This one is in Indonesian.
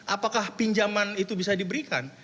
apakah pinjaman itu bisa diberikan